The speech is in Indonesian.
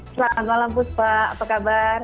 selamat malam puspa apa kabar